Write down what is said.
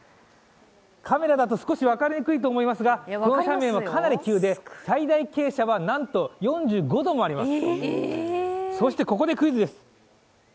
カメラだと少し分かりにくいと思いますがこの斜面はかなり急で、最大傾斜はなんと４５度もあります。